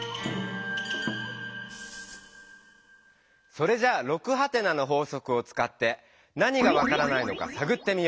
それじゃあ「６？」の法則をつかって何が分からないのかさぐってみよう。